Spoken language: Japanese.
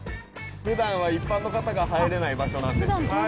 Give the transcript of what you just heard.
ふだんは一般の方が入れない場所なんです。